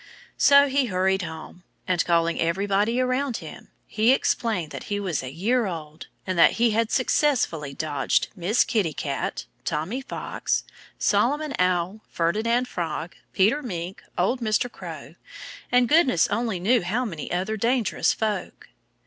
So he hurried home. And, calling everybody around him, he explained that he was a year old, and that he had successfully dodged Miss Kitty Cat, Tommy Fox, Solomon Owl, Ferdinand Frog, Peter Mink, Old Mr. Crow and goodness only knew how many other dangerous folk.